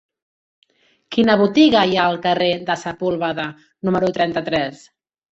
Quina botiga hi ha al carrer de Sepúlveda número trenta-tres?